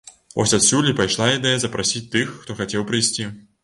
Вось адсюль і пайшла ідэя запрасіць тых, хто хацеў прыйсці.